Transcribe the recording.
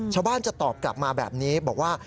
ชาวบ้านจะตอบกลับมาแบบนี้บอกว่า